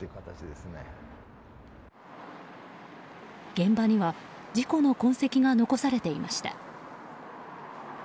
現場には、事故の痕跡が残されていました。